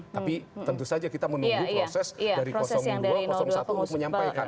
tapi tentu saja kita menunggu proses dari dua satu untuk menyampaikan